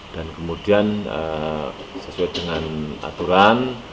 dan kemudian sesuai dengan aturan